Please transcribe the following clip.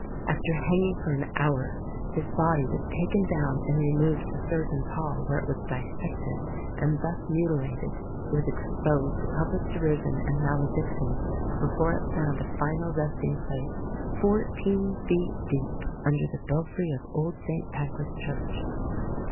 After hanging for an hour, his body was taken down and removed to Surgeons' Hall, where it was dissected; and, thus mutilated, it was exposed to public derision and malediction before it found a final resting place, fourteen feet deep under the belfry of old St Pancras Church.